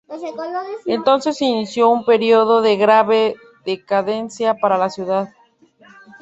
Entonces se inició un período de grave decadencia para la ciudad.